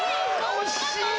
惜しい！